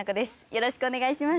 よろしくお願いします。